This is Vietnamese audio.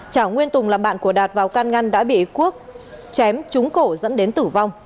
trả nguyên tùng là bạn của đạt vào can ngăn đã bị quốc chém trúng cổ dẫn đến tử vong